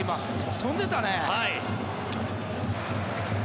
飛んでたね。